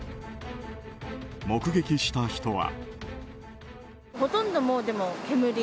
目撃した人は。